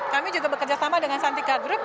kami juga bekerja sama dengan santika group